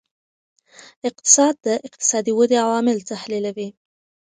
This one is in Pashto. اقتصاد د اقتصادي ودې عوامل تحلیلوي.